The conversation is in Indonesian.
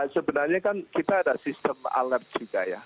sebenarnya kan kita ada sistem alert juga ya